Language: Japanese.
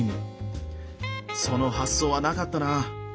その発想はなかったなあ。